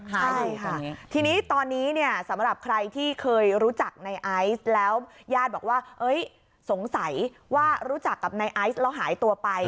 ใช่ค่ะทีนี้ตอนนี้เนี่ยสำหรับใครที่เคยรู้จักในไอซ์แล้วญาติบอกว่าสงสัยว่ารู้จักกับนายไอซ์แล้วหายตัวไป